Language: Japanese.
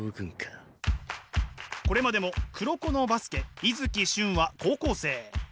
これまでも「黒子のバスケ」伊月俊は高校生。